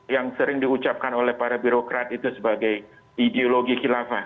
yang sering diucapkan oleh para birokrat itu sebagai ideologi khilafah